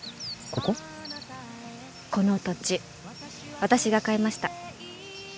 この土地私が買いました。